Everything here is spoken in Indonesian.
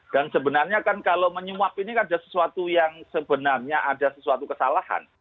dan sebenarnya kan kalau menyuap ini kan ada sesuatu yang sebenarnya ada sesuatu kesalahan